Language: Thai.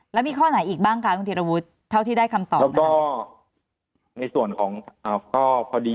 แล้วมีข้อไหนอีกบ้างตีรวชเท่าที่ได้คำตอบ